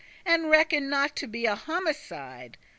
And reckon not to be a homicide.